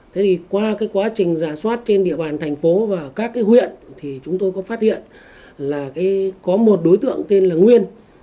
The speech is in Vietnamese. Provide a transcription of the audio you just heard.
thế thì qua cái quá trình giả soát trên địa bàn thành phố và các cái huyện thì chúng tôi có phát hiện là có một đối tượng tên là nguyên